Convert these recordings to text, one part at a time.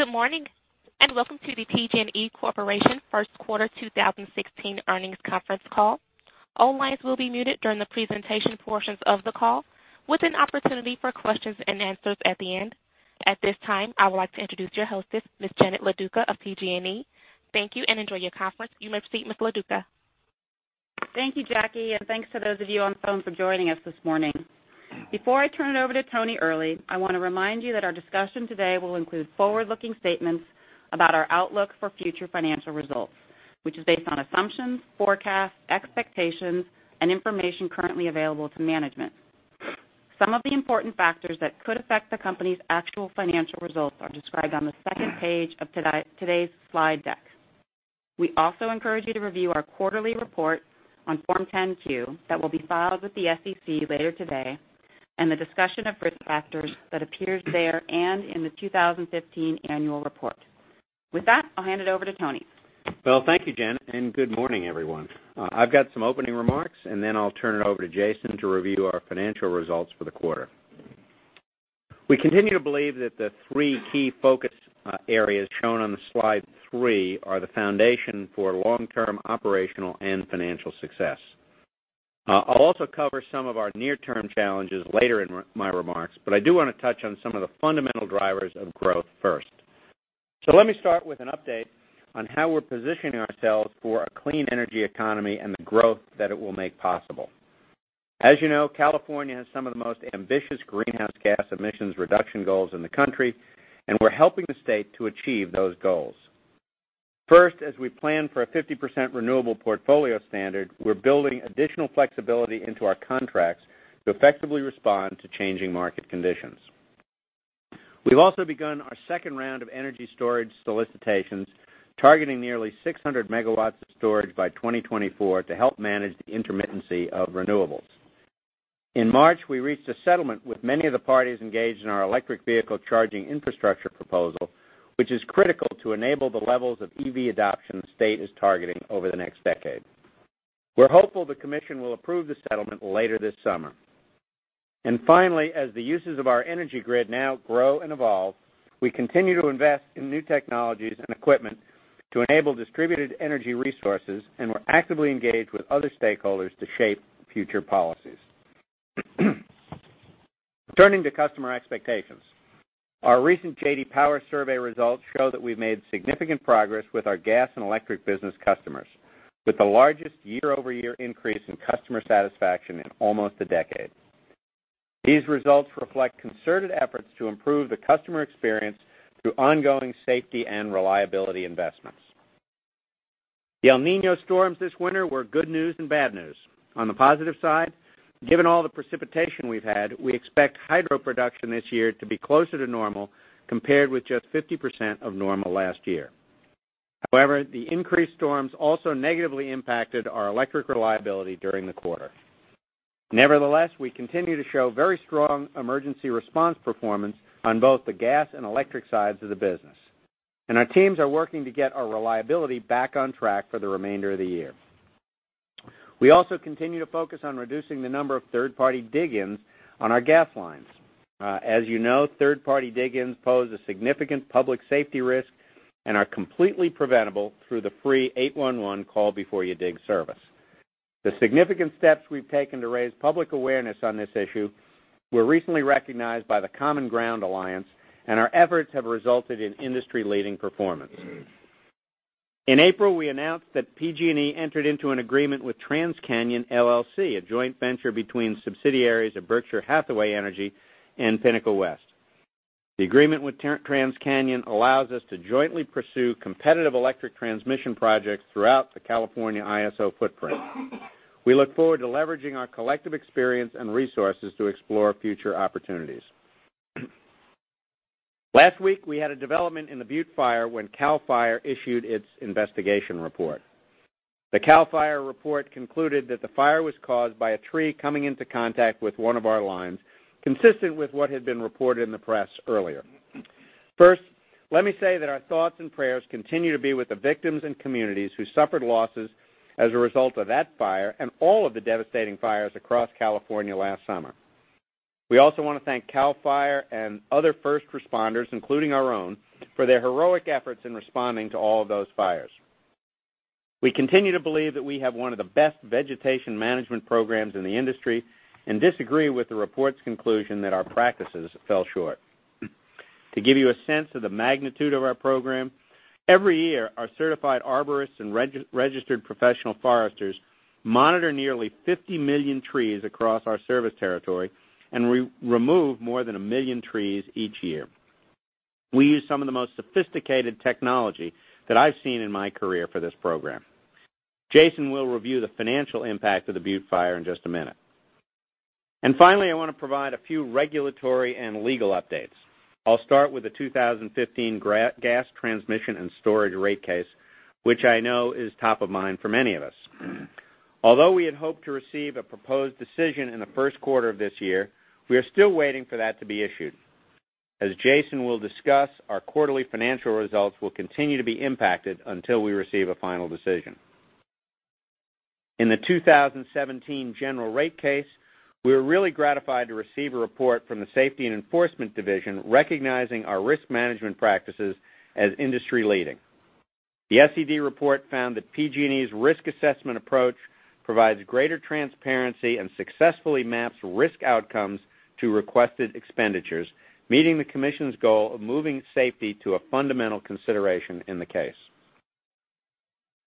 Good morning, and welcome to the PG&E Corporation first quarter 2016 earnings conference call. All lines will be muted during the presentation portions of the call, with an opportunity for questions and answers at the end. At this time, I would like to introduce your hostess, Ms. Janet Loduca of PG&E. Thank you, and enjoy your conference. You may proceed, Ms. Loduca. Thank you, Jackie, and thanks to those of you on the phone for joining us this morning. Before I turn it over to Tony Earley, I want to remind you that our discussion today will include forward-looking statements about our outlook for future financial results, which is based on assumptions, forecasts, expectations, and information currently available to management. Some of the important factors that could affect the company's actual financial results are described on the second page of today's slide deck. We also encourage you to review our quarterly report on Form 10-Q that will be filed with the SEC later today, and the discussion of risk factors that appears there and in the 2015 annual report. With that, I'll hand it over to Tony. Well, thank you, Janet, and good morning, everyone. I've got some opening remarks, and then I'll turn it over to Jason to review our financial results for the quarter. We continue to believe that the three key focus areas shown on slide three are the foundation for long-term operational and financial success. I do want to touch on some of the fundamental drivers of growth first. Let me start with an update on how we're positioning ourselves for a clean energy economy and the growth that it will make possible. As you know, California has some of the most ambitious greenhouse gas emissions reduction goals in the country, and we're helping the state to achieve those goals. First, as we plan for a 50% renewable portfolio standard, we're building additional flexibility into our contracts to effectively respond to changing market conditions. We've also begun our second round of energy storage solicitations, targeting nearly 600 megawatts of storage by 2024 to help manage the intermittency of renewables. In March, we reached a settlement with many of the parties engaged in our electric vehicle charging infrastructure proposal, which is critical to enable the levels of EV adoption the state is targeting over the next decade. We're hopeful the commission will approve the settlement later this summer. Finally, as the uses of our energy grid now grow and evolve, we continue to invest in new technologies and equipment to enable distributed energy resources, and we're actively engaged with other stakeholders to shape future policies. Turning to customer expectations. Our recent J.D. Power survey results show that we've made significant progress with our gas and electric business customers, with the largest year-over-year increase in customer satisfaction in almost a decade. These results reflect concerted efforts to improve the customer experience through ongoing safety and reliability investments. The El Niño storms this winter were good news and bad news. On the positive side, given all the precipitation we've had, we expect hydro production this year to be closer to normal, compared with just 50% of normal last year. The increased storms also negatively impacted our electric reliability during the quarter. Nevertheless, we continue to show very strong emergency response performance on both the gas and electric sides of the business. Our teams are working to get our reliability back on track for the remainder of the year. We also continue to focus on reducing the number of third-party dig-ins on our gas lines. As you know, third-party dig-ins pose a significant public safety risk and are completely preventable through the free 811 Call Before You Dig service. The significant steps we've taken to raise public awareness on this issue were recently recognized by the Common Ground Alliance, our efforts have resulted in industry-leading performance. In April, we announced that PG&E entered into an agreement with TransCanyon LLC, a joint venture between subsidiaries of Berkshire Hathaway Energy and Pinnacle West. The agreement with TransCanyon allows us to jointly pursue competitive electric transmission projects throughout the California ISO footprint. We look forward to leveraging our collective experience and resources to explore future opportunities. Last week, we had a development in the Butte Fire when CAL FIRE issued its investigation report. The CAL FIRE report concluded that the fire was caused by a tree coming into contact with one of our lines, consistent with what had been reported in the press earlier. First, let me say that our thoughts and prayers continue to be with the victims and communities who suffered losses as a result of that fire and all of the devastating fires across California last summer. We also want to thank CAL FIRE and other first responders, including our own, for their heroic efforts in responding to all of those fires. We continue to believe that we have one of the best vegetation management programs in the industry and disagree with the report's conclusion that our practices fell short. To give you a sense of the magnitude of our program, every year, our certified arborists and registered professional foresters monitor nearly 50 million trees across our service territory and remove more than a million trees each year. We use some of the most sophisticated technology that I've seen in my career for this program. Jason will review the financial impact of the Butte Fire in just a minute. Finally, I want to provide a few regulatory and legal updates. I'll start with the 2015 Gas Transmission and Storage Rate Case, which I know is top of mind for many of us. Although we had hoped to receive a proposed decision in the first quarter of this year, we are still waiting for that to be issued. As Jason will discuss, our quarterly financial results will continue to be impacted until we receive a final decision. In the 2017 general rate case, we were really gratified to receive a report from the Safety and Enforcement Division recognizing our risk management practices as industry-leading. The SED report found that PG&E's risk assessment approach provides greater transparency and successfully maps risk outcomes to requested expenditures, meeting the commission's goal of moving safety to a fundamental consideration in the case.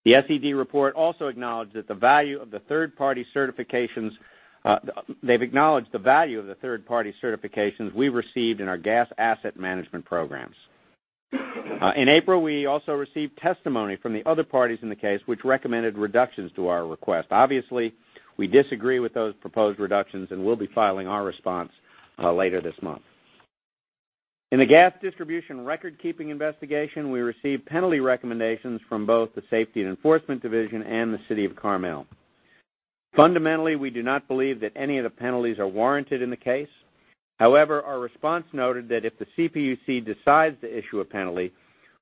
The SED report also acknowledged the value of the third-party certifications we received in our gas asset management programs. In April, we also received testimony from the other parties in the case which recommended reductions to our request. Obviously, we disagree with those proposed reductions, and we'll be filing our response later this month. In the gas distribution record-keeping investigation, we received penalty recommendations from both the Safety and Enforcement Division and the City of Carmel. Fundamentally, we do not believe that any of the penalties are warranted in the case. However, our response noted that if the CPUC decides to issue a penalty,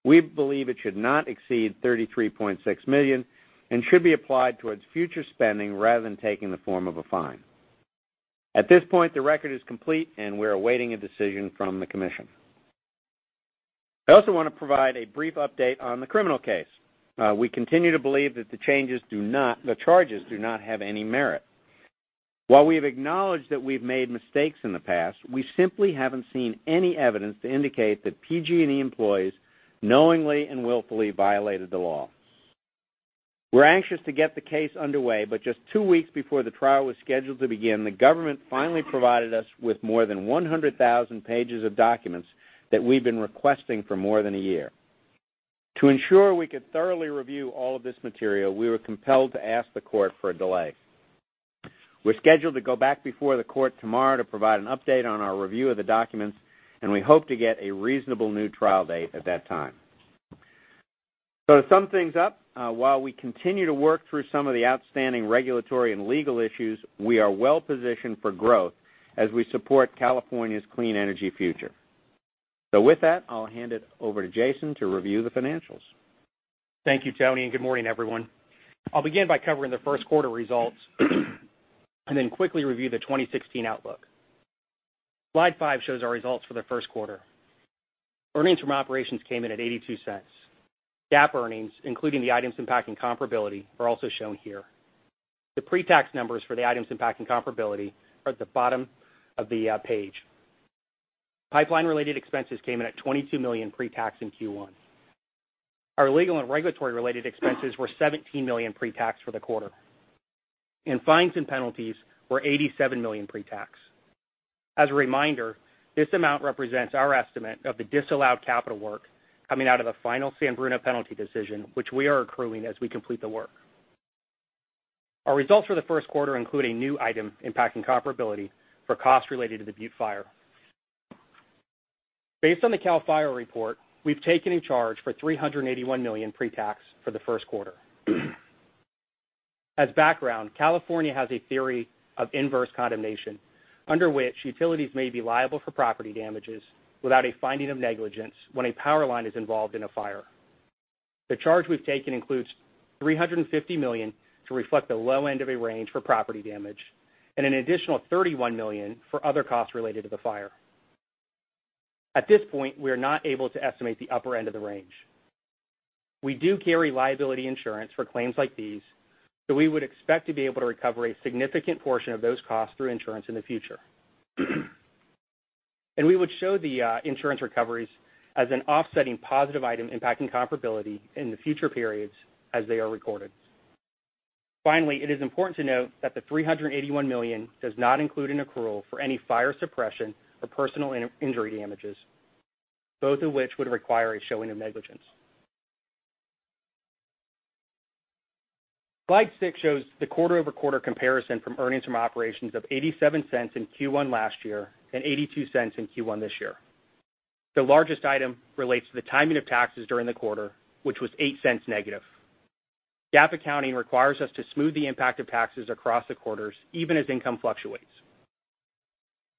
we believe it should not exceed $33.6 million and should be applied towards future spending rather than taking the form of a fine. At this point, the record is complete, and we're awaiting a decision from the commission. I also want to provide a brief update on the criminal case. We continue to believe that the charges do not have any merit. While we have acknowledged that we've made mistakes in the past, we simply haven't seen any evidence to indicate that PG&E employees knowingly and willfully violated the law. We're anxious to get the case underway, but just two weeks before the trial was scheduled to begin, the government finally provided us with more than 100,000 pages of documents that we've been requesting for more than a year. To ensure we could thoroughly review all of this material, we were compelled to ask the court for a delay. We're scheduled to go back before the court tomorrow to provide an update on our review of the documents, and we hope to get a reasonable new trial date at that time. To sum things up, while we continue to work through some of the outstanding regulatory and legal issues, we are well-positioned for growth as we support California's clean energy future. With that, I'll hand it over to Jason to review the financials. Thank you, Tony, and good morning, everyone. I'll begin by covering the first quarter results and then quickly review the 2016 outlook. Slide five shows our results for the first quarter. Earnings from operations came in at $0.82. GAAP earnings, including the items impacting comparability, are also shown here. The pre-tax numbers for the items impacting comparability are at the bottom of the page. Pipeline-related expenses came in at $22 million pre-tax in Q1. Our legal and regulatory-related expenses were $17 million pre-tax for the quarter. Fines and penalties were $87 million pre-tax. As a reminder, this amount represents our estimate of the disallowed capital work coming out of a final San Bruno penalty decision, which we are accruing as we complete the work. Our results for the first quarter include a new item impacting comparability for costs related to the Butte Fire. Based on the CAL FIRE report, we've taken a charge for $381 million pre-tax for the first quarter. As background, California has a theory of inverse condemnation under which utilities may be liable for property damages without a finding of negligence when a power line is involved in a fire. The charge we've taken includes $350 million to reflect the low end of a range for property damage and an additional $31 million for other costs related to the fire. At this point, we are not able to estimate the upper end of the range. We do carry liability insurance for claims like these, so we would expect to be able to recover a significant portion of those costs through insurance in the future. We would show the insurance recoveries as an offsetting positive item impacting comparability in the future periods as they are recorded. Finally, it is important to note that the $381 million does not include an accrual for any fire suppression or personal injury damages, both of which would require a showing of negligence. Slide six shows the quarter-over-quarter comparison from earnings from operations of $0.87 in Q1 last year and $0.82 in Q1 this year. The largest item relates to the timing of taxes during the quarter, which was $0.08 negative. GAAP accounting requires us to smooth the impact of taxes across the quarters even as income fluctuates.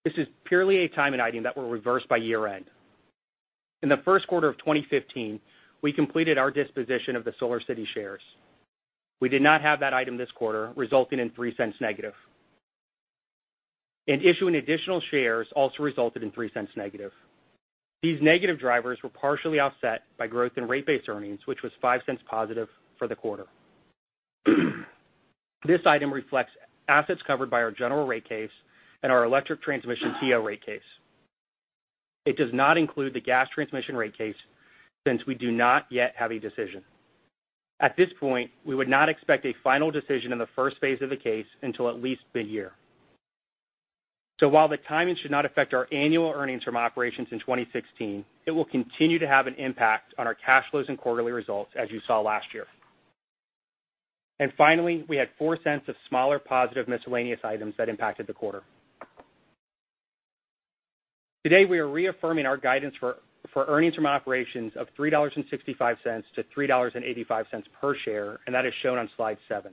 This is purely a timing item that were reversed by year-end. In the first quarter of 2015, we completed our disposition of the SolarCity shares. We did not have that item this quarter, resulting in $0.03 negative. Issuing additional shares also resulted in $0.03 negative. These negative drivers were partially offset by growth in rate-based earnings, which was $0.05 positive for the quarter. This item reflects assets covered by our general rate case and our electric transmission TO rate case. It does not include the gas transmission rate case since we do not yet have a decision. At this point, we would not expect a final decision in the first phase of the case until at least mid-year. While the timing should not affect our annual earnings from operations in 2016, it will continue to have an impact on our cash flows and quarterly results as you saw last year. Finally, we had $0.04 of smaller positive miscellaneous items that impacted the quarter. Today, we are reaffirming our guidance for earnings from operations of $3.65-$3.85 per share, and that is shown on slide seven.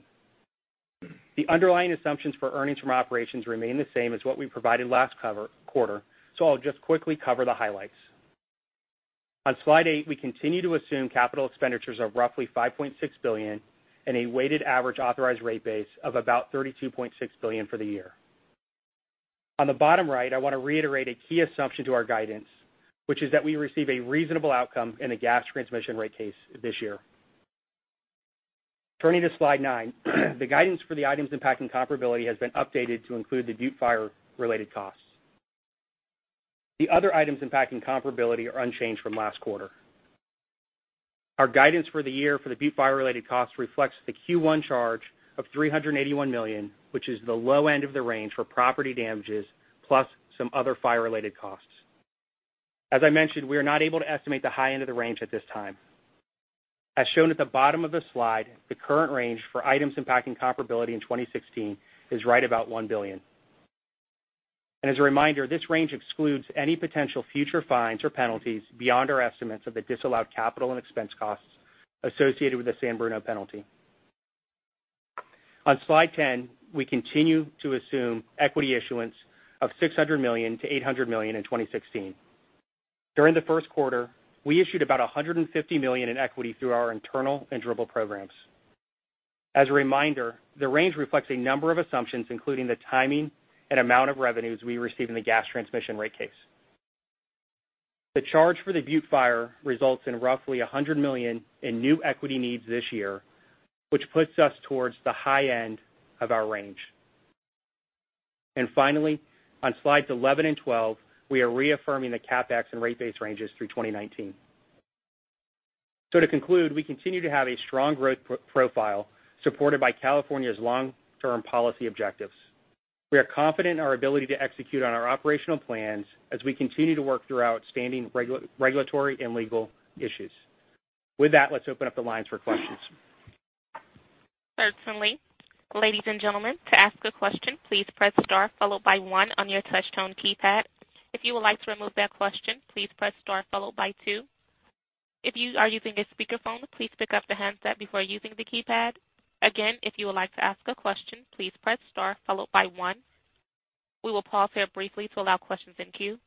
The underlying assumptions for earnings from operations remain the same as what we provided last quarter. I'll just quickly cover the highlights. On slide eight, we continue to assume capital expenditures of roughly $5.6 billion and a weighted average authorized rate base of about $32.6 billion for the year. On the bottom right, I want to reiterate a key assumption to our guidance, which is that we receive a reasonable outcome in a gas transmission rate case this year. Turning to slide nine, the guidance for the items impacting comparability has been updated to include the Butte Fire-related costs. The other items impacting comparability are unchanged from last quarter. Our guidance for the year for the Butte Fire-related costs reflects the Q1 charge of $381 million, which is the low end of the range for property damages plus some other fire-related costs. As I mentioned, we are not able to estimate the high end of the range at this time. As shown at the bottom of the slide, the current range for items impacting comparability in 2016 is right about $1 billion. As a reminder, this range excludes any potential future fines or penalties beyond our estimates of the disallowed capital and expense costs associated with the San Bruno penalty. On slide 10, we continue to assume equity issuance of $600 million-$800 million in 2016. During the first quarter, we issued about $150 million in equity through our internal and durable programs. As a reminder, the range reflects a number of assumptions, including the timing and amount of revenues we receive in the gas transmission rate case. The charge for the Butte Fire results in roughly $100 million in new equity needs this year, which puts us towards the high end of our range. Finally, on slides 11 and 12, we are reaffirming the CapEx and rate base ranges through 2019. To conclude, we continue to have a strong growth profile supported by California's long-term policy objectives. We are confident in our ability to execute on our operational plans as we continue to work through outstanding regulatory and legal issues. With that, let's open up the lines for questions. Certainly. Ladies and gentlemen, to ask a question, please press star followed by one on your touch tone keypad. If you would like to remove that question, please press star followed by two. If you are using a speakerphone, please pick up the handset before using the keypad. Again, if you would like to ask a question, please press star followed by one. We will pause here briefly to allow questions in queue.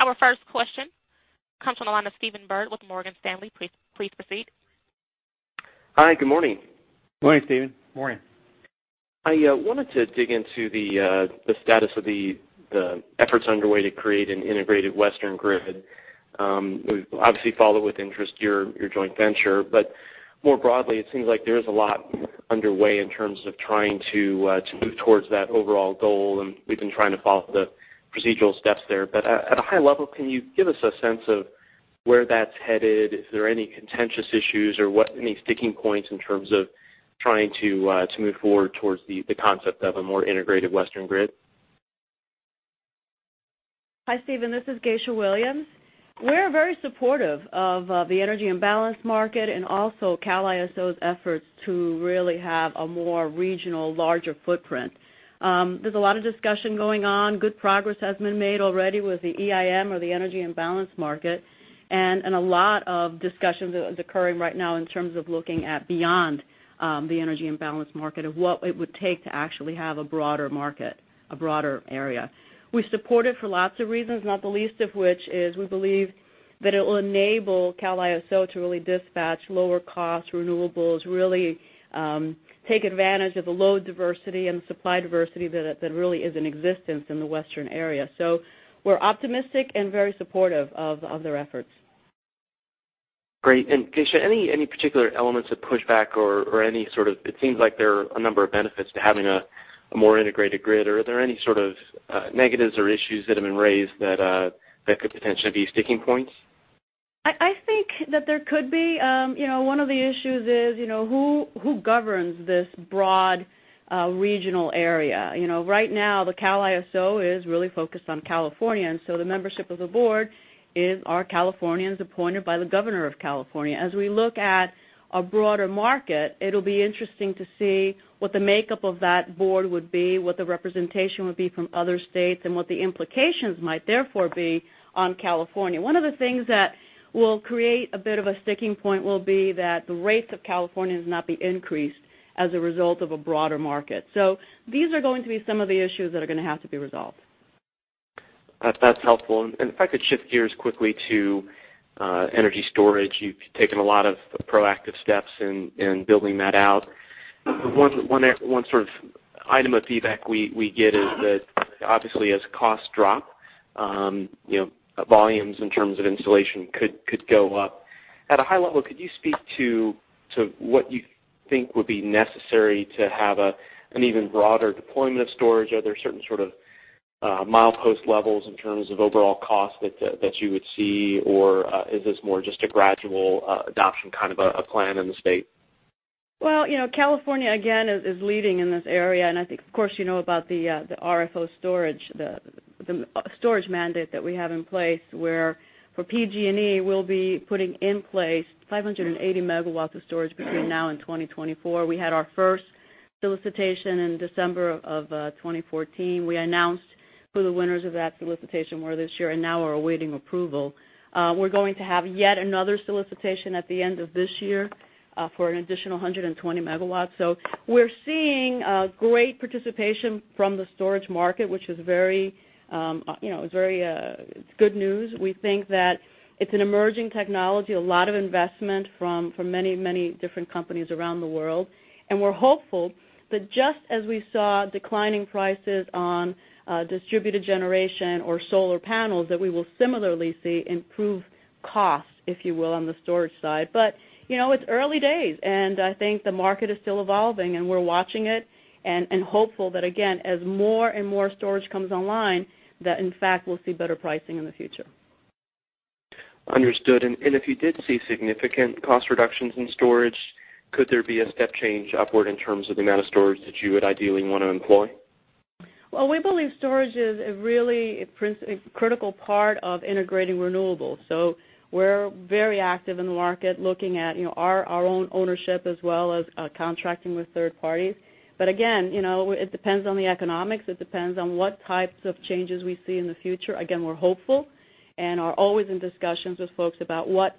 Our first question comes on the line of Stephen Byrd with Morgan Stanley. Please proceed. Hi, good morning. Good morning, Stephen. Morning. I wanted to dig into the status of the efforts underway to create an integrated Western grid. We've obviously followed with interest your joint venture, more broadly, it seems like there's a lot underway in terms of trying to move towards that overall goal. We've been trying to follow the procedural steps there. At a high level, can you give us a sense of where that's headed? Is there any contentious issues or any sticking points in terms of trying to move forward towards the concept of a more integrated Western grid? Hi, Stephen. This is Geisha Williams. We're very supportive of the Energy Imbalance Market and also Cal ISO's efforts to really have a more regional, larger footprint. There's a lot of discussion going on. Good progress has been made already with the EIM or the Energy Imbalance Market. A lot of discussion is occurring right now in terms of looking at beyond the Energy Imbalance Market of what it would take to actually have a broader market, a broader area. We support it for lots of reasons, not the least of which is we believe that it will enable Cal ISO to really dispatch lower costs, renewables, really take advantage of the load diversity and supply diversity that really is in existence in the Western area. We're optimistic and very supportive of their efforts. Great. Geisha, any particular elements of pushback? It seems like there are a number of benefits to having a more integrated grid, or are there any sort of negatives or issues that have been raised that could potentially be sticking points? I think that there could be. One of the issues is, who governs this broad regional area? Right now, the Cal ISO is really focused on California, and the membership of the board are Californians appointed by the governor of California. As we look at a broader market, it'll be interesting to see what the makeup of that board would be, what the representation would be from other states, and what the implications might therefore be on California. One of the things that will create a bit of a sticking point will be that the rates of California does not be increased as a result of a broader market. These are going to be some of the issues that are going to have to be resolved. That's helpful. If I could shift gears quickly to energy storage. You've taken a lot of proactive steps in building that out. One sort of item of feedback we get is that obviously as costs drop, volumes in terms of installation could go up. At a high level, could you speak to what you think would be necessary to have an even broader deployment of storage? Are there certain sort of milepost levels in terms of overall cost that you would see, or is this more just a gradual adoption kind of a plan in the state? Well, California, again, is leading in this area, and I think, of course, you know about the RFO storage, the storage mandate that we have in place, where for PG&E, we'll be putting in place 580 megawatts of storage between now and 2024. We had our first solicitation in December of 2014. We announced who the winners of that solicitation were this year, and now we're awaiting approval. We're going to have yet another solicitation at the end of this year for an additional 120 megawatts. We're seeing great participation from the storage market, which is very good news. We think that it's an emerging technology, a lot of investment from many different companies around the world. We're hopeful that just as we saw declining prices on distributed generation or solar panels, that we will similarly see improved costs, if you will, on the storage side. It's early days, and I think the market is still evolving, and we're watching it and hopeful that again, as more and more storage comes online, that in fact, we'll see better pricing in the future. Understood. If you did see significant cost reductions in storage, could there be a step change upward in terms of the amount of storage that you would ideally want to employ? Well, we believe storage is a really critical part of integrating renewables. We're very active in the market, looking at our own ownership as well as contracting with third parties. Again, it depends on the economics. It depends on what types of changes we see in the future. Again, we're hopeful and are always in discussions with folks about what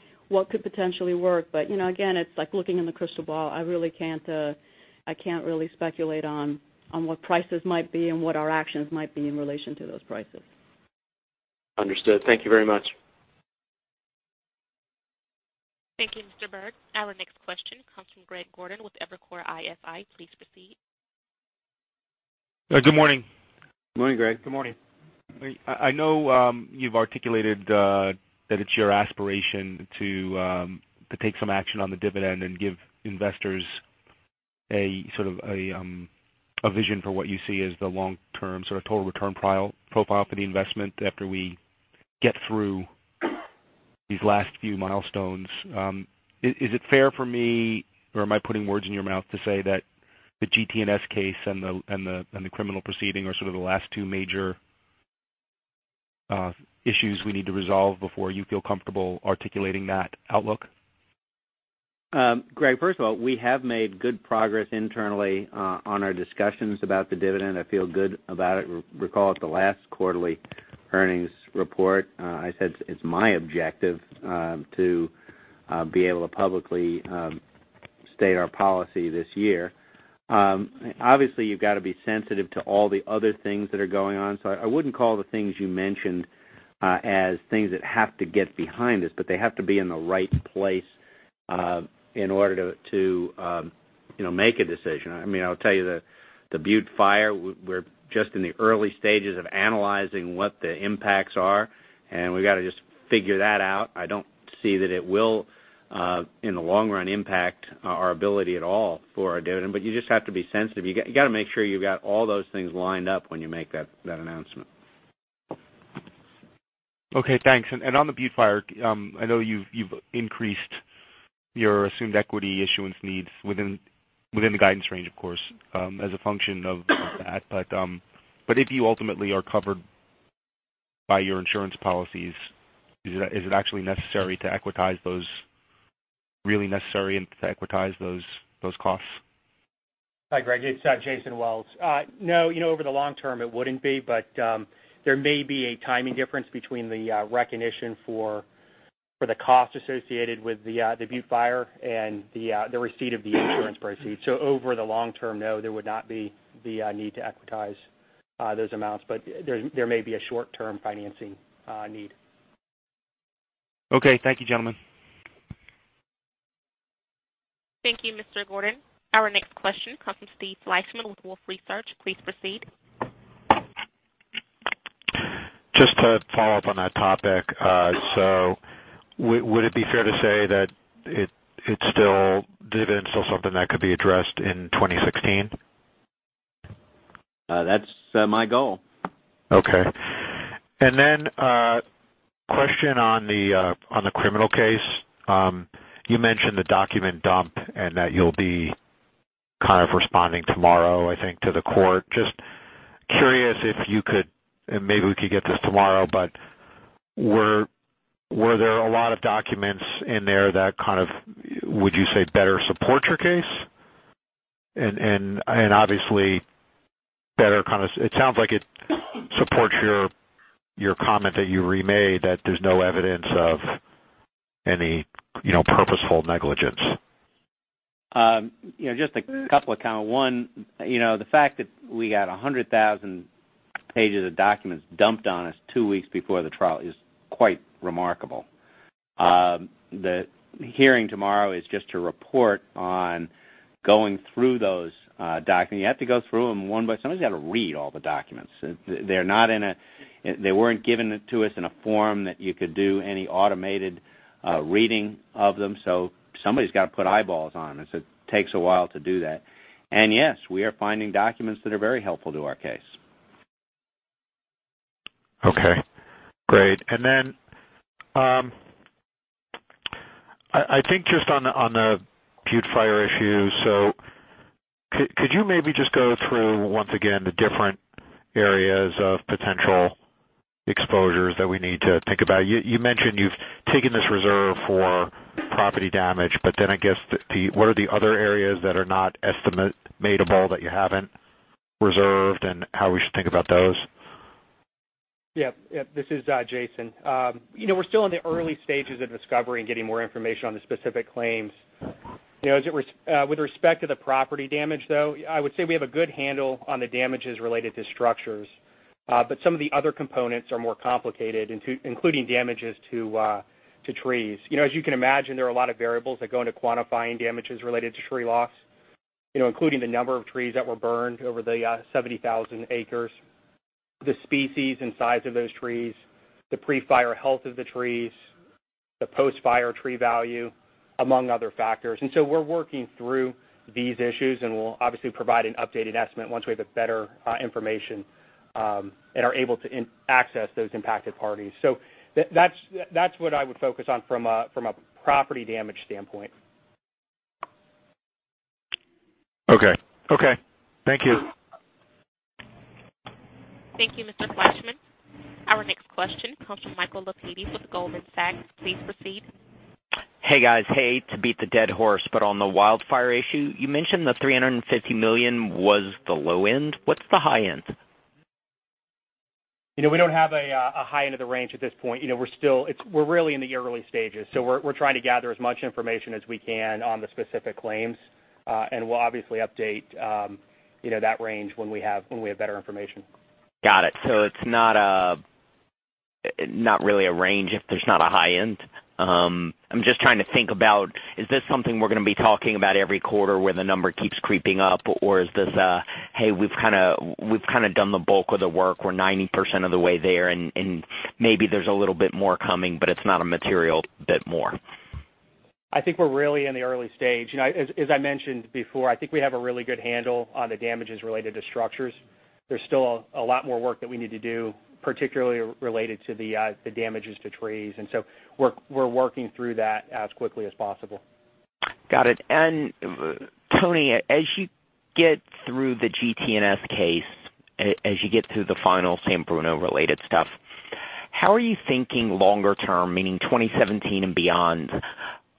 could potentially work. Again, it's like looking in the crystal ball. I can't really speculate on what prices might be and what our actions might be in relation to those prices. Understood. Thank you very much. Thank you, Mr. Byrd. Our next question comes from Greg Gordon with Evercore ISI. Please proceed. Good morning. Good morning, Greg. Good morning. I know you've articulated that it's your aspiration to take some action on the dividend and give investors a sort of vision for what you see as the long-term sort of total return profile for the investment after we get through these last few milestones. Is it fair for me, or am I putting words in your mouth to say that the GT&S case and the criminal proceeding are sort of the last two major issues we need to resolve before you feel comfortable articulating that outlook? Greg, first of all, we have made good progress internally on our discussions about the dividend. I feel good about it. Recall at the last quarterly earnings report, I said it's my objective to be able to publicly state our policy this year. Obviously, you've got to be sensitive to all the other things that are going on. I wouldn't call the things you mentioned as things that have to get behind this, but they have to be in the right place in order to make a decision. I mean, I'll tell you, the Butte Fire, we're just in the early stages of analyzing what the impacts are, and we've got to just figure that out. I don't see that it will, in the long run, impact our ability at all for our dividend. You just have to be sensitive. You got to make sure you've got all those things lined up when you make that announcement. Okay, thanks. On the Butte Fire, I know you've increased your assumed equity issuance needs within the guidance range, of course, as a function of that. If you ultimately are covered by your insurance policies, is it actually necessary to equitize those, really necessary to equitize those costs? Hi, Greg. It's Jason Wells. No, over the long term, it wouldn't be, there may be a timing difference between the recognition for the cost associated with the Butte Fire and the receipt of the insurance proceeds. Over the long term, no, there would not be the need to equitize those amounts. There may be a short-term financing need. Okay. Thank you, gentlemen. Thank you, Mr. Gordon. Our next question comes from Steve Fleishman with Wolfe Research. Please proceed. Would it be fair to say that dividend's still something that could be addressed in 2016? That's my goal. Okay. A question on the criminal case. You mentioned the document dump and that you'll be kind of responding tomorrow, I think, to the court. Just curious if you could, and maybe we could get this tomorrow, Were there a lot of documents in there that kind of, would you say, better support your case? Obviously, it sounds like it supports your comment that you remade that there's no evidence of any purposeful negligence. Just a couple. One, the fact that we got 100,000 pages of documents dumped on us two weeks before the trial is quite remarkable. The hearing tomorrow is just to report on going through those documents. You have to go through them. Somebody's got to read all the documents. They weren't given to us in a form that you could do any automated reading of them. Somebody's got to put eyeballs on them. It takes a while to do that. Yes, we are finding documents that are very helpful to our case. Okay. Great. I think just on the Butte Fire issue. Could you maybe just go through, once again, the different areas of potential exposures that we need to think about. You mentioned you've taken this reserve for property damage, I guess, what are the other areas that are not estimatable that you haven't reserved, and how we should think about those? Yep. This is Jason. We're still in the early stages of discovery and getting more information on the specific claims. With respect to the property damage, though, I would say we have a good handle on the damages related to structures. Some of the other components are more complicated, including damages to trees. As you can imagine, there are a lot of variables that go into quantifying damages related to tree loss, including the number of trees that were burned over the 70,000 acres, the species and size of those trees, the pre-fire health of the trees, the post-fire tree value, among other factors. We're working through these issues, and we'll obviously provide an updated estimate once we have better information and are able to access those impacted parties. That's what I would focus on from a property damage standpoint. Okay. Thank you. Thank you, Mr. Fleishman. Our next question comes from Michael Lapides with Goldman Sachs. Please proceed. Hey, guys. Hate to beat the dead horse, but on the wildfire issue, you mentioned the $350 million was the low end. What's the high end? We don't have a high end of the range at this point. We're really in the early stages, so we're trying to gather as much information as we can on the specific claims. We'll obviously update that range when we have better information. Got it. It's not really a range if there's not a high end. I'm just trying to think about, is this something we're going to be talking about every quarter where the number keeps creeping up? Or is this a, "Hey, we've kind of done the bulk of the work. We're 90% of the way there, and maybe there's a little bit more coming, but it's not a material bit more. I think we're really in the early stage. As I mentioned before, I think we have a really good handle on the damages related to structures. There's still a lot more work that we need to do, particularly related to the damages to trees, so we're working through that as quickly as possible. Got it. Tony, as you get through the GT&S case, as you get through the final San Bruno-related stuff, how are you thinking longer term, meaning 2017 and beyond,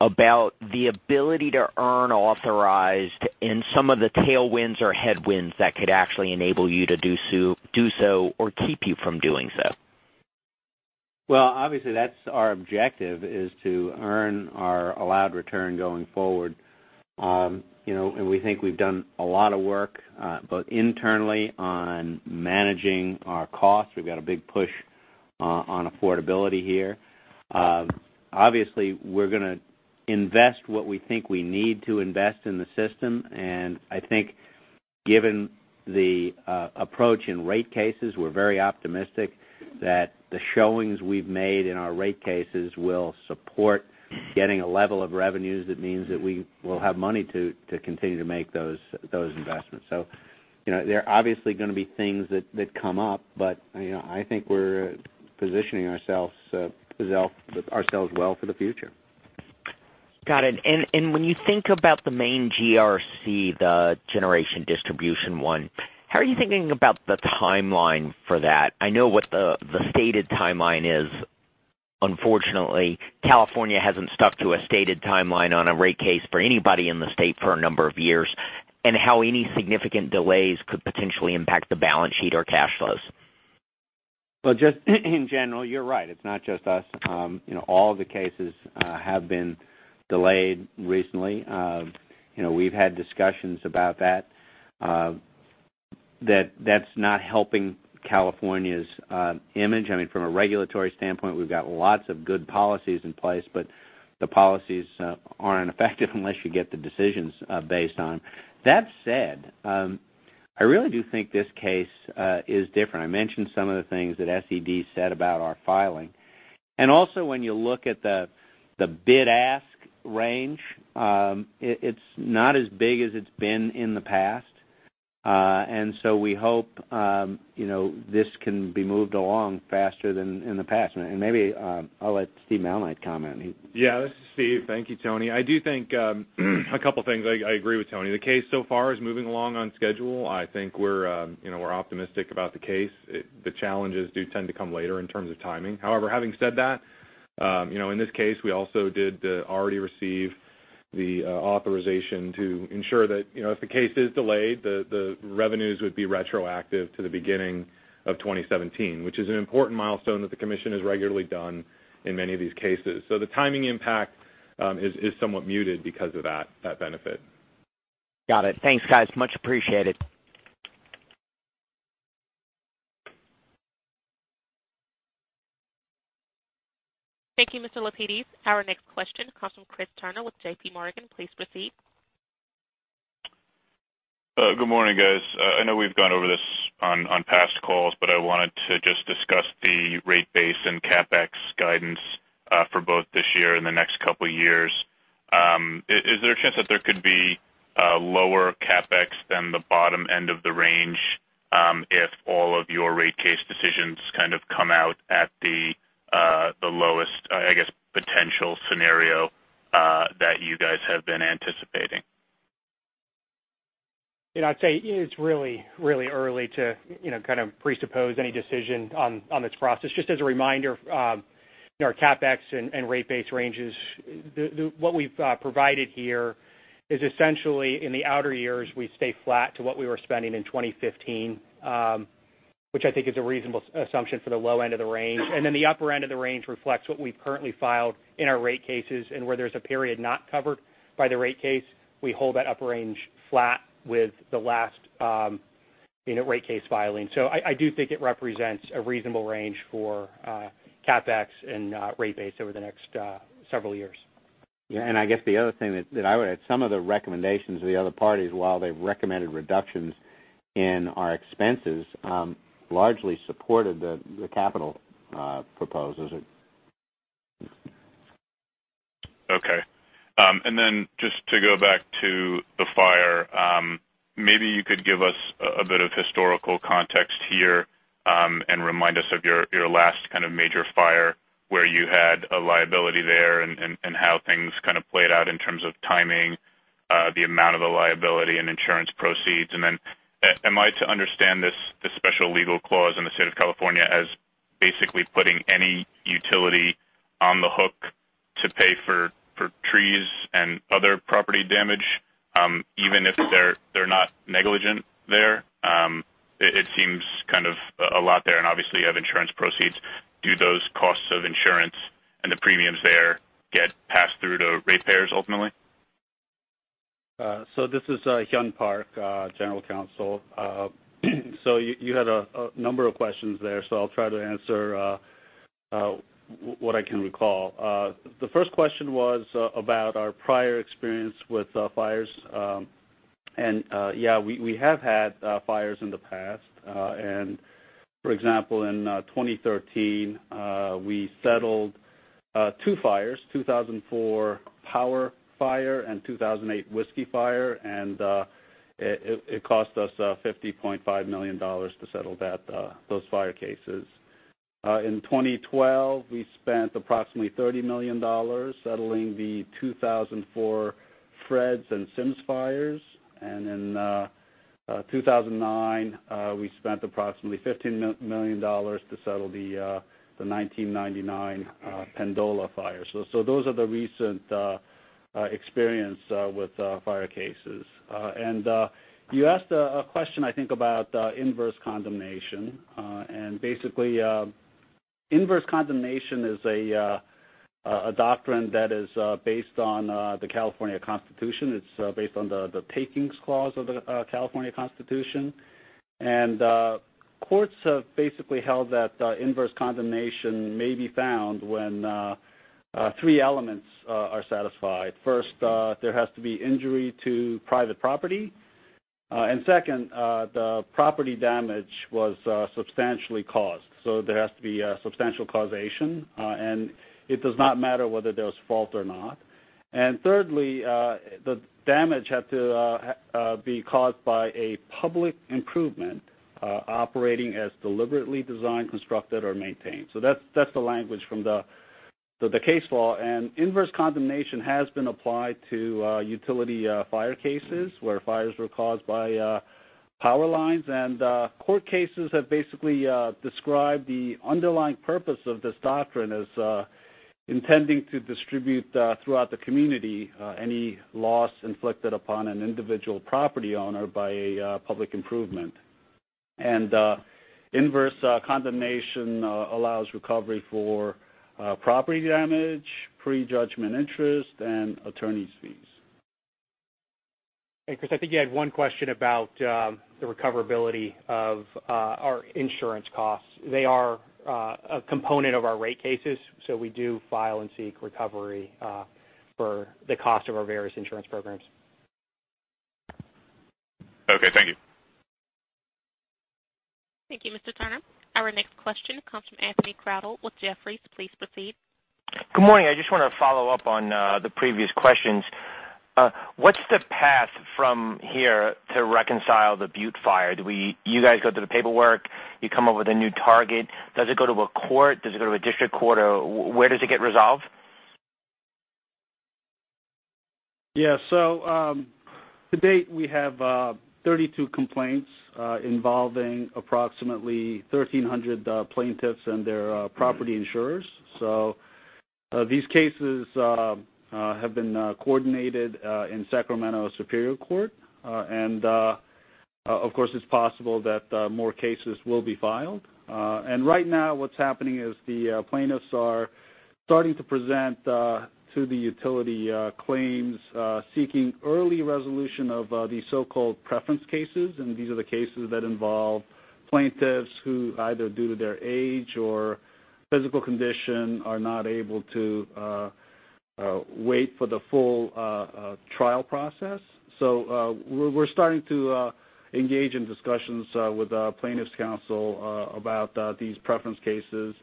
about the ability to earn authorized and some of the tailwinds or headwinds that could actually enable you to do so or keep you from doing so? Obviously, that's our objective, is to earn our allowed return going forward. We think we've done a lot of work both internally on managing our costs. We've got a big push on affordability here. Obviously, we're going to invest what we think we need to invest in the system. I think given the approach in rate cases, we're very optimistic that the showings we've made in our rate cases will support getting a level of revenues that means that we will have money to continue to make those investments. There are obviously going to be things that come up, but I think we're positioning ourselves well for the future. Got it. When you think about the main GRC, the generation distribution one, how are you thinking about the timeline for that? I know what the stated timeline is. Unfortunately, California hasn't stuck to a stated timeline on a rate case for anybody in the state for a number of years, and how any significant delays could potentially impact the balance sheet or cash flows. Well, just in general, you're right. It's not just us. All of the cases have been delayed recently. We've had discussions about that that's not helping California's image. From a regulatory standpoint, we've got lots of good policies in place, but the policies aren't effective unless you get the decisions based on. That said, I really do think this case is different. I mentioned some of the things that SED said about our filing. Also, when you look at the bid-ask range, it's not as big as it's been in the past. So we hope this can be moved along faster than in the past. Maybe I'll let Steve Malnight comment. Yeah. This is Steve. Thank you, Tony. I do think a couple things. I agree with Tony. The case so far is moving along on schedule. I think we're optimistic about the case. The challenges do tend to come later in terms of timing. However, having said that, in this case, we also did already receive the authorization to ensure that if the case is delayed, the revenues would be retroactive to the beginning of 2017, which is an important milestone that the commission has regularly done in many of these cases. The timing impact is somewhat muted because of that benefit. Got it. Thanks, guys. Much appreciated. Thank you, Mr. Lapides. Our next question comes from Chris Turner with JPMorgan. Please proceed. Good morning, guys. I wanted to just discuss the rate base and CapEx guidance for both this year and the next couple years. Is there a chance that there could be lower CapEx than the bottom end of the range if all of your rate case decisions kind of come out at the lowest, I guess You guys have been anticipating. I'd say it is really early to presuppose any decision on this process. Just as a reminder, our CapEx and rate base ranges, what we've provided here is essentially in the outer years, we stay flat to what we were spending in 2015, which I think is a reasonable assumption for the low end of the range. The upper end of the range reflects what we've currently filed in our rate cases and where there's a period not covered by the rate case, we hold that upper range flat with the last rate case filing. I do think it represents a reasonable range for CapEx and rate base over the next several years. Yeah, I guess the other thing that I would add, some of the recommendations of the other parties while they've recommended reductions in our expenses, largely supported the capital proposals. Okay. Then just to go back to the fire, maybe you could give us a bit of historical context here, and remind us of your last kind of major fire where you had a liability there and how things kind of played out in terms of timing, the amount of the liability and insurance proceeds. Then am I to understand this special legal clause in the state of California as basically putting any utility on the hook to pay for trees and other property damage, even if they're not negligent there? It seems kind of a lot there, and obviously you have insurance proceeds. Do those costs of insurance and the premiums there get passed through to ratepayers ultimately? This is Hyun Park, general counsel. You had a number of questions there, so I'll try to answer what I can recall. The first question was about our prior experience with fires. Yeah, we have had fires in the past. For example, in 2013, we settled two fires, 2004 Power Fire and 2008 Whiskey Fire, and it cost us $50.5 million to settle those fire cases. In 2012, we spent approximately $30 million settling the 2004 Fred's and Sims Fires. In 2009, we spent approximately $15 million to settle the 1999 Pendola Fire. Those are the recent experience with fire cases. You asked a question I think about inverse condemnation. Basically, inverse condemnation is a doctrine that is based on the California Constitution. It's based on the Takings Clause of the California Constitution. Courts have basically held that inverse condemnation may be found when three elements are satisfied. First, there has to be injury to private property. Second, the property damage was substantially caused, so there has to be substantial causation, and it does not matter whether there's fault or not. Thirdly, the damage had to be caused by a public improvement operating as deliberately designed, constructed, or maintained. That's the language from the case law, and inverse condemnation has been applied to utility fire cases where fires were caused by power lines. Court cases have basically described the underlying purpose of this doctrine as intending to distribute throughout the community any loss inflicted upon an individual property owner by a public improvement. Inverse condemnation allows recovery for property damage, prejudgment interest, and attorney's fees. Chris, I think you had one question about the recoverability of our insurance costs. They are a component of our rate cases, we do file and seek recovery for the cost of our various insurance programs. Okay, thank you. Thank you, Mr. Turner. Our next question comes from Anthony Crowdell with Jefferies. Please proceed. Good morning. I just want to follow up on the previous questions. What's the path from here to reconcile the Butte Fire? Do you guys go through the paperwork? You come up with a new target? Does it go to a court? Does it go to a district court? Where does it get resolved? Yeah. To date, we have 32 complaints, involving approximately 1,300 plaintiffs and their property insurers. These cases have been coordinated in Sacramento Superior Court. Of course, it's possible that more cases will be filed. Right now what's happening is the plaintiffs are starting to present to the utility claims, seeking early resolution of the so-called preference cases, and these are the cases that involve plaintiffs who either due to their age or physical condition, are not able to wait for the full trial process. We're starting to engage in discussions with plaintiff's counsel about these preference cases.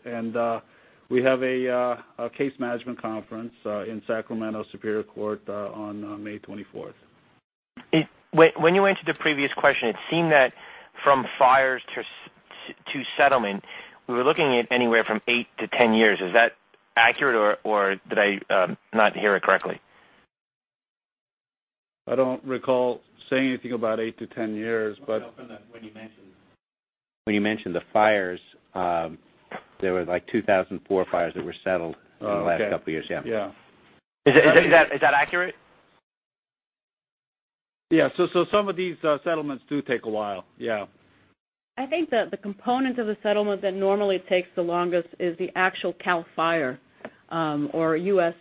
We have a case management conference in Sacramento Superior Court on May 24th. When you answered the previous question, it seemed that from fires to settlement, we were looking at anywhere from 8-10 years. Is that accurate or did I not hear it correctly? I don't recall saying anything about 8-10 years. When you mentioned the fires, there were like 2,004 fires that were settled. Oh, okay. in the last couple of years. Yeah. Yeah. Is that accurate? Yeah. Some of these settlements do take a while. Yeah. I think the component of the settlement that normally takes the longest is the actual CAL FIRE or U.S.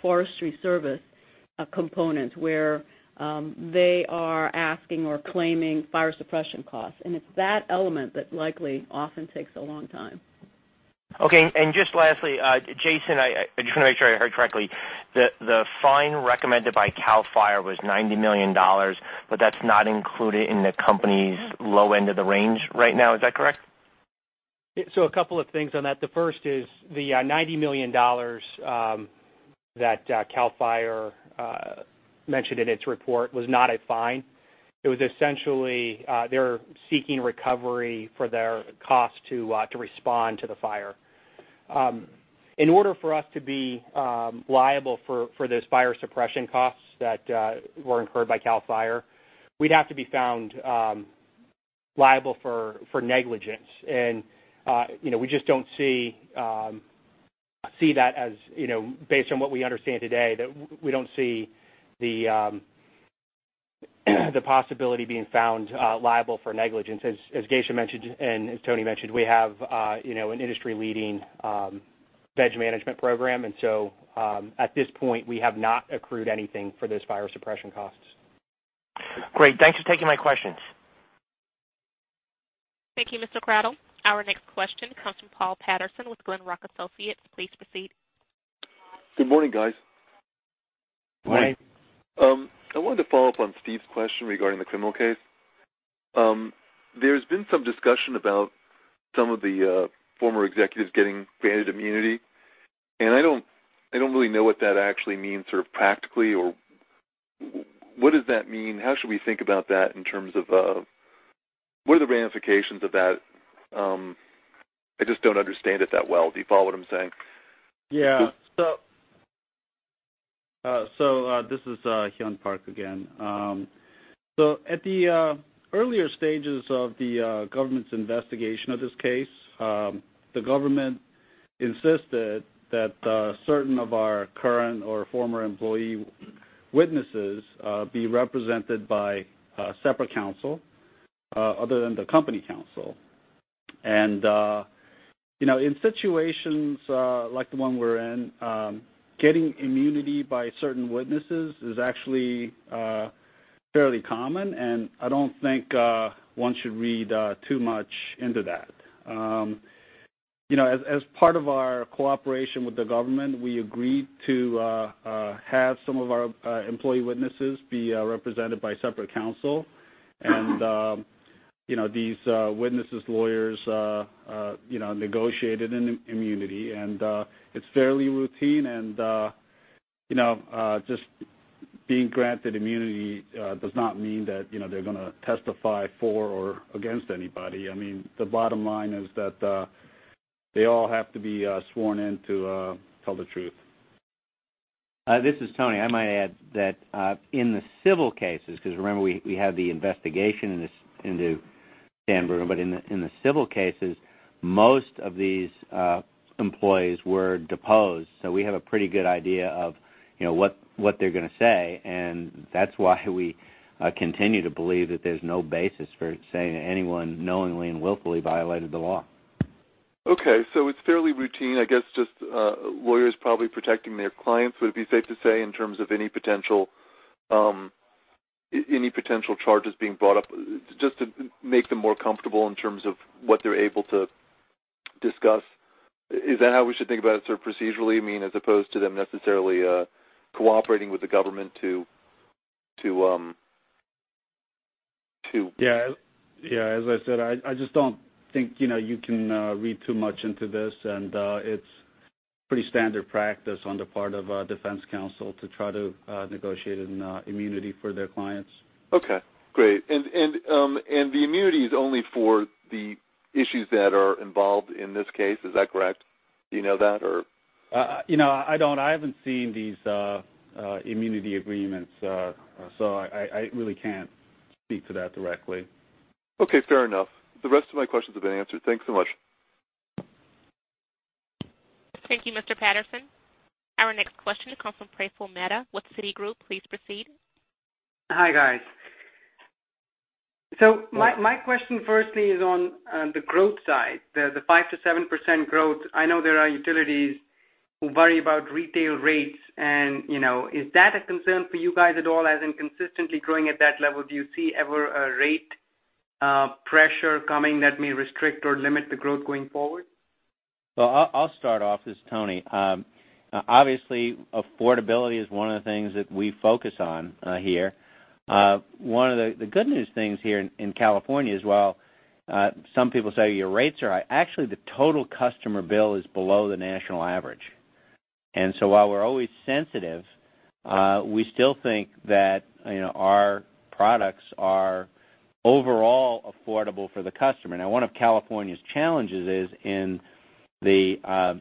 Forest Service component, where they are asking or claiming fire suppression costs. It's that element that likely often takes a long time. Just lastly, Jason, I just want to make sure I heard correctly, the fine recommended by CAL FIRE was $90 million, that's not included in the company's low end of the range right now. Is that correct? A couple of things on that. The first is the $90 million that CAL FIRE mentioned in its report was not a fine. It was essentially they're seeking recovery for their cost to respond to the fire. In order for us to be liable for those fire suppression costs that were incurred by CAL FIRE, we'd have to be found liable for negligence. Based on what we understand today, we don't see the possibility being found liable for negligence. As Geisha mentioned and as Tony mentioned, we have an industry-leading veg management program. At this point, we have not accrued anything for those fire suppression costs. Great. Thanks for taking my questions. Thank you, Mr. Crowdell. Our next question comes from Paul Patterson with Glenrock Associates. Please proceed. Good morning, guys. Good morning. Morning. I wanted to follow up on Steve's question regarding the criminal case. There's been some discussion about some of the former executives getting granted immunity. I don't really know what that actually means sort of practically. What does that mean? How should we think about that in terms of what are the ramifications of that? I just don't understand it that well. Do you follow what I'm saying? Yeah. This is Hyun Park again. At the earlier stages of the government's investigation of this case, the government insisted that certain of our current or former employee witnesses be represented by a separate counsel other than the company counsel. In situations like the one we're in, getting immunity by certain witnesses is actually fairly common, and I don't think one should read too much into that. As part of our cooperation with the government, we agreed to have some of our employee witnesses be represented by separate counsel. These witnesses' lawyers negotiated an immunity, and it's fairly routine. Just being granted immunity does not mean that they're going to testify for or against anybody. The bottom line is that they all have to be sworn in to tell the truth. This is Tony. I might add that in the civil cases, because remember we had the investigation into San Bruno, but in the civil cases, most of these employees were deposed. We have a pretty good idea of what they're going to say, and that's why we continue to believe that there's no basis for saying that anyone knowingly and willfully violated the law. Okay. It's fairly routine, I guess, just lawyers probably protecting their clients, would it be safe to say, in terms of any potential charges being brought up, just to make them more comfortable in terms of what they're able to discuss? Is that how we should think about it sort of procedurally, as opposed to them necessarily cooperating with the government to Yeah. As I said, I just don't think you can read too much into this, and it's pretty standard practice on the part of defense counsel to try to negotiate an immunity for their clients. Okay, great. The immunity is only for the issues that are involved in this case. Is that correct? Do you know that or? I don't. I haven't seen these immunity agreements, so I really can't speak to that directly. Okay, fair enough. The rest of my questions have been answered. Thanks so much. Thank you, Mr. Patterson. Our next question comes from Praful Mehta with Citigroup. Please proceed. Hi, guys. My question firstly is on the growth side, the 5%-7% growth. I know there are utilities who worry about retail rates, is that a concern for you guys at all, as in consistently growing at that level? Do you see ever a rate pressure coming that may restrict or limit the growth going forward? I'll start off. This is Tony. Obviously, affordability is one of the things that we focus on here. The good news things here in California is while some people say your rates are high, actually the total customer bill is below the national average. While we're always sensitive, we still think that our products are overall affordable for the customer. Now, one of California's challenges is in the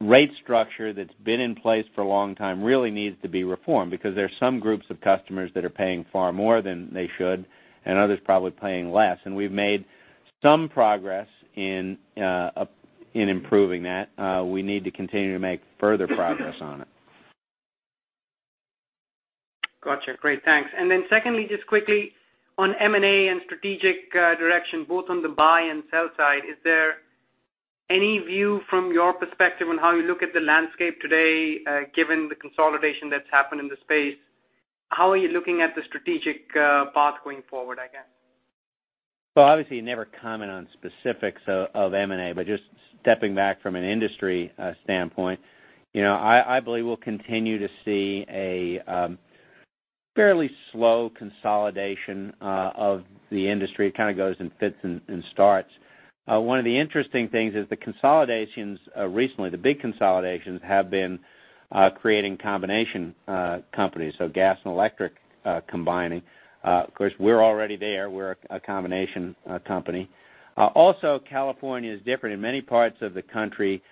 rate structure that's been in place for a long time, really needs to be reformed because there's some groups of customers that are paying far more than they should, and others probably paying less. We've made some progress in improving that. We need to continue to make further progress on it. Got you. Great. Thanks. Secondly, just quickly on M&A and strategic direction, both on the buy and sell side, is there any view from your perspective on how you look at the landscape today, given the consolidation that's happened in the space? How are you looking at the strategic path going forward, I guess? Obviously you never comment on specifics of M&A, just stepping back from an industry standpoint, I believe we'll continue to see a fairly slow consolidation of the industry. It kind of goes in fits and starts. One of the interesting things is the consolidations recently, the big consolidations, have been creating combination companies, gas and electric combining. Of course, we're already there. We're a combination company. California is different. In many parts of the country,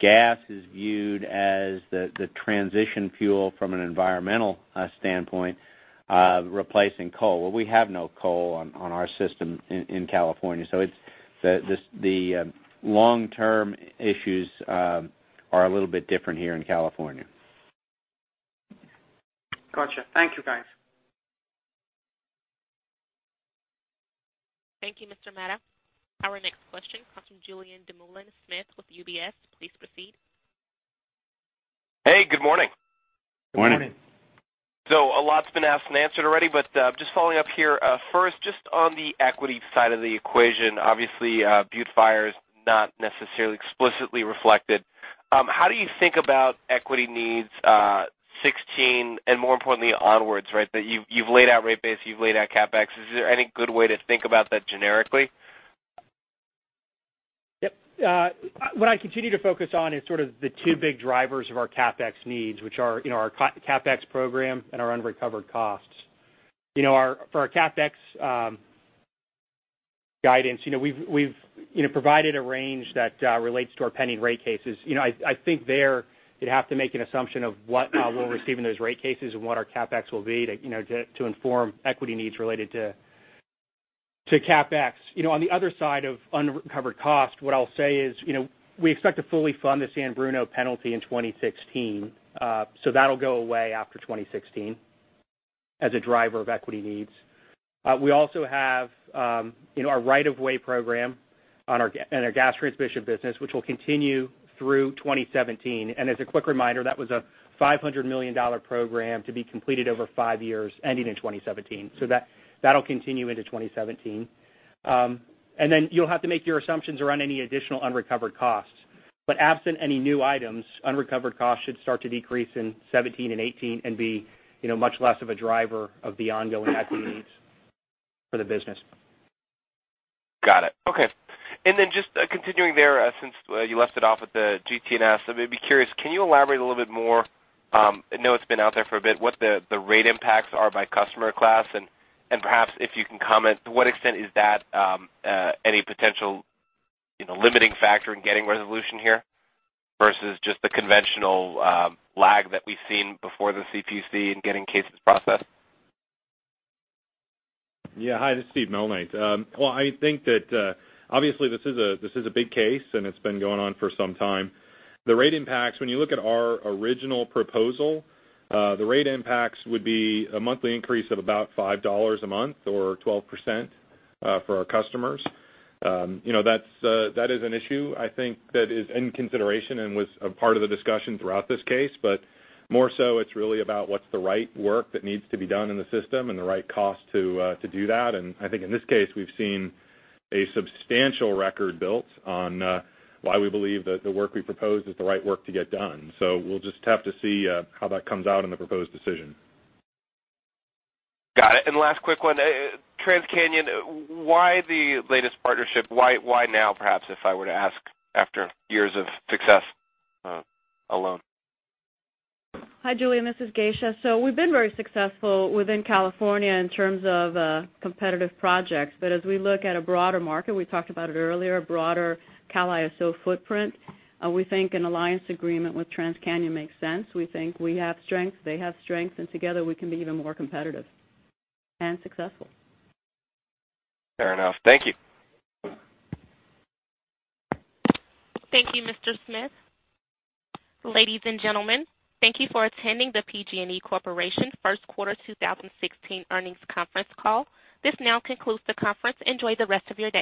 gas is viewed as the transition fuel from an environmental standpoint, replacing coal. We have no coal on our system in California, the long-term issues are a little bit different here in California. Got you. Thank you, guys. Thank you, Mr. Mehta. Our next question comes from Julien Dumoulin-Smith with UBS. Please proceed. Hey, good morning. Morning. A lot's been asked and answered already, but just following up here. First, just on the equity side of the equation, obviously, Butte Fire is not necessarily explicitly reflected. How do you think about equity needs 2016, and more importantly onwards, right? That you've laid out rate base, you've laid out CapEx. Is there any good way to think about that generically? Yep. What I continue to focus on is sort of the two big drivers of our CapEx needs, which are our CapEx program and our unrecovered costs. For our CapEx guidance, we've provided a range that relates to our pending rate cases. I think there you'd have to make an assumption of what we'll receive in those rate cases and what our CapEx will be to inform equity needs related to CapEx. On the other side of unrecovered cost, what I'll say is we expect to fully fund the San Bruno penalty in 2016. So that'll go away after 2016 as a driver of equity needs. We also have our right of way program in our gas transmission business, which will continue through 2017. And as a quick reminder, that was a $500 million program to be completed over five years, ending in 2017. So that'll continue into 2017. You'll have to make your assumptions around any additional unrecovered costs. But absent any new items, unrecovered costs should start to decrease in 2017 and 2018 and be much less of a driver of the ongoing equity needs for the business. Got it. Okay. Just continuing there, since you left it off at the GT&S, I'd be curious, can you elaborate a little bit more, I know it's been out there for a bit, what the rate impacts are by customer class? And perhaps if you can comment to what extent is that any potential limiting factor in getting resolution here versus just the conventional lag that we've seen before the CPUC in getting cases processed? Yeah. Hi, this is Steve Malnight. Well, I think that obviously this is a big case, and it's been going on for some time. The rate impacts, when you look at our original proposal, the rate impacts would be a monthly increase of about $5 a month or 12% for our customers. That is an issue I think that is in consideration and was a part of the discussion throughout this case, but more so it's really about what's the right work that needs to be done in the system and the right cost to do that. And I think in this case, we've seen a substantial record built on why we believe that the work we proposed is the right work to get done. So we'll just have to see how that comes out in the proposed decision. Got it. Last quick one. TransCanyon, why the latest partnership? Why now, perhaps, if I were to ask after years of success alone? Hi, Julien, this is Geisha. We've been very successful within California in terms of competitive projects. As we look at a broader market, we talked about it earlier, a broader CalISO footprint, we think an alliance agreement with TransCanyon makes sense. We think we have strengths, they have strengths, and together we can be even more competitive and successful. Fair enough. Thank you. Thank you, Mr. Dumoulin-Smith. Ladies and gentlemen, thank you for attending the PG&E Corporation first quarter 2016 earnings conference call. This now concludes the conference. Enjoy the rest of your day.